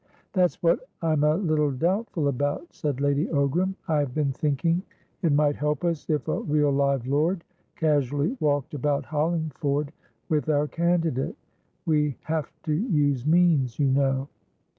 "That's what I'm a little doubtful about," said Lady Ogram. "I have been thinking it might help us if a real live lord casually walked about Hollingford with our candidate. We have to use means, you know."